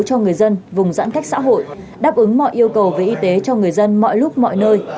cho người dân vùng giãn cách xã hội đáp ứng mọi yêu cầu về y tế cho người dân mọi lúc mọi nơi